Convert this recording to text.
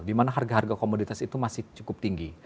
di mana harga harga komoditas itu masih cukup tinggi